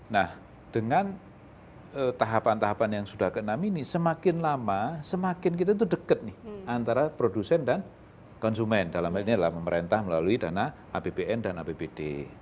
nah dengan tahapan tahapan yang sudah ke enam ini semakin lama semakin kita itu dekat nih antara produsen dan konsumen dalam hal ini adalah pemerintah melalui dana apbn dan apbd